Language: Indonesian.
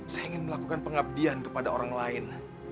saya ingin melakukan pengabdian kepada orang lain